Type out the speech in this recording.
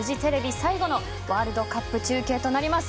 最後のワールドカップ中継となります。